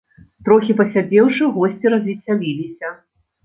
Трохі пасядзеўшы, госці развесяліліся.